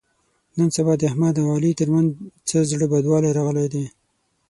نن سبا د احمد او علي تر منځ څه زړه بدوالی راغلی دی.